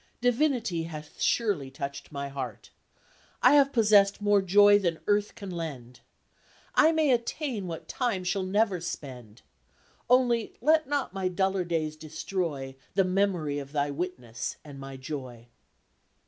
"Divinity hath surely touched my heart; I have possessed more joy than earth can lend; I may attain what time shall never spend. Only let not my duller days destroy The memory of thy witness and my joy."